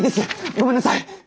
ごめんなさい！